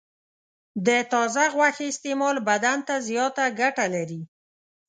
د تازه غوښې استعمال بدن ته زیاته ګټه لري.